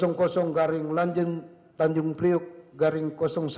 garing layan tanjung priuk garing satu ratus tujuh puluh tiga